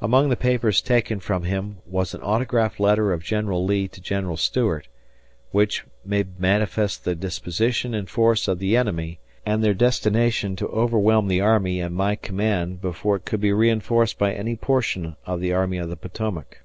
Among the papers taken from him was an autograph letter of General Lee to General Stuart "which made manifest the disposition and force of the enemy, and their destination to overwhelm the army and my command before it could be reinforced by any portion of the Army of the Potomac."